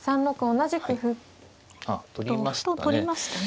同歩と取りましたね。